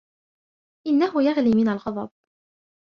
إنه يغلي من الغضب